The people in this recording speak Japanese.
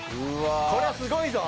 こりゃすごいぞ！